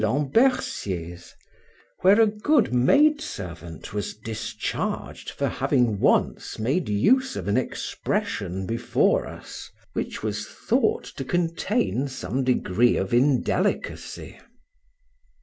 Lambercier's, where a good maid servant was discharged for having once made use of an expression before us which was thought to contain some degree of indelicacy.